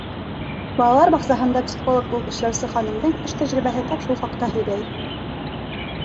Балалар баҡсаһында психолог булып эшләүсе ханымдың эш тәжрибәһе тап шул хаҡта һөйләй.